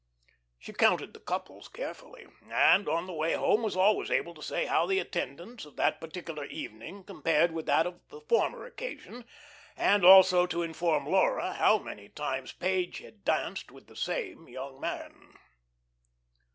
She counted the couples carefully, and on the way home was always able to say how the attendance of that particular evening compared with that of the former occasion, and also to inform Laura how many times Page had danced with the same young man.